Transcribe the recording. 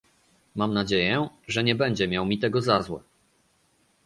Mam nadzieję, że nie będzie miał mi tego za złe